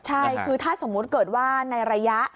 ใช่คือถ้าสมมุติเกิดว่าในระยะ